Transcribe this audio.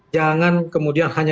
jangan kemudian hanya